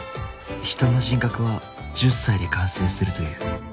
人の人格は１０歳で完成するという。